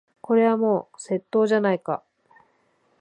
これはもう窃盗じゃないか。